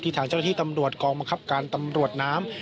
ทางเจ้าหน้าที่ตำรวจกองบังคับการตำรวจน้ำ